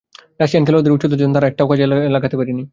Russian খেলোয়াড়দের উচ্চতার জন্য তারা একটাও কাজে লাগাতে পারেনি।